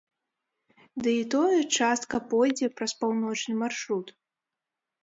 Ды і тое частка пойдзе праз паўночны маршрут.